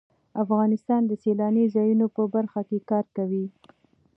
افغانستان د سیلاني ځایونو په برخه کې کار کوي.